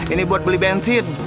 ini buat beli bensin